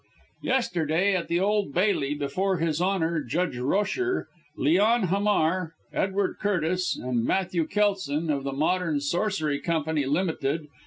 Yesterday, at the Old Bailey, before His Honour Judge Rosher, Leon Hamar, Edward Curtis and Matthew Kelson, of the Modern Sorcery Company Ltd.